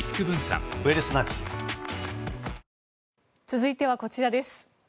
続いてはこちらです。